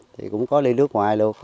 thì cũng có đi nước ngoài được